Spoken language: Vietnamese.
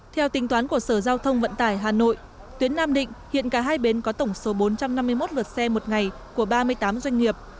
theo tính toán của sở giao thông vận tải hà nội tuyến nam định hiện cả hai bến có tổng số bốn trăm năm mươi một lượt xe một ngày của ba mươi tám doanh nghiệp